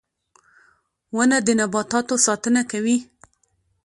• ونه د نباتاتو ساتنه کوي.